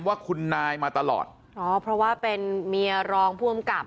ว่าคุณนายมาตลอดอ๋อเพราะว่าเป็นเมียรองผู้อำกับ